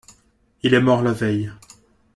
Il est mort la veille.